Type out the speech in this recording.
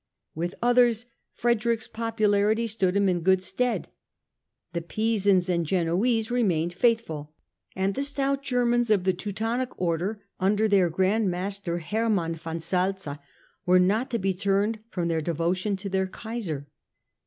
With others Frederick's popularity stood him in good stead. The Pisans and Genoese remained faithful, and the stout Germans of the Teutonic Order, under their Grand Master, Hermann von Salza, were not to be turned from their devotion to their Kaiser.